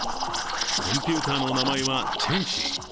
コンピュータの名前はチェンシー